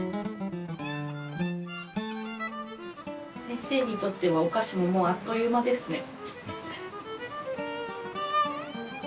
先生にとってはお菓子ももうあっという間ですね。